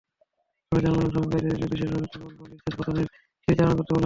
তবে, জার্মানির অংশগ্রহণকারীদের বিশেষভাবে কেবল বার্লিন প্রাচীর পতনের স্মৃতিচারণা করতে বলা হয়েছিল।